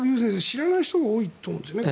知らない人が多いと思うんですね。